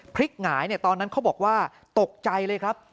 พริกหงายเนี่ยตอนนั้นเขาบอกว่าตกใจเลยครับ